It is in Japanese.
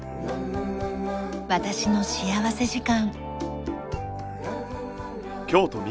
『私の幸福時間』。